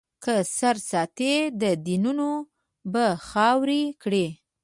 که سر ساتې، دیدنونه به خاورې کړي.